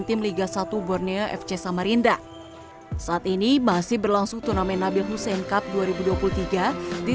tim liga satu borneo fc samarinda saat ini masih berlangsung turnamen nabil hussein cup dua ribu dua puluh tiga di